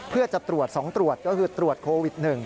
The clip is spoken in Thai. เพื่อจะตรวจ๒ตรวจก็คือตรวจโควิด๑